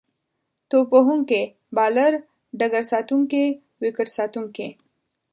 توپ وهونکی، بالر، ډګرساتونکی، ويکټ ساتونکی